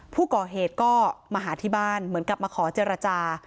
ผู้ก่อเหตุก็มาหาที่บ้านเหมือนกับมาขอเจรจา